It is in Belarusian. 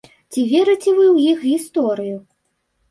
Ці верыце вы ў іх гісторыю?